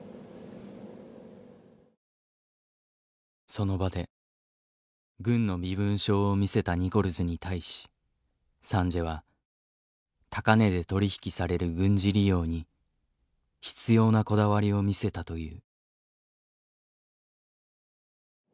その場で軍の身分証を見せたニコルズに対しサンジエは高値で取り引きされる軍事利用に執拗なこだわりを見せたという。